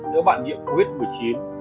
nếu bạn nhiễm covid một mươi chín